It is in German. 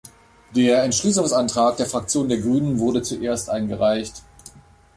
Der Entschließungsantrag der Fraktion der Grünen wurde zuerst eingereicht.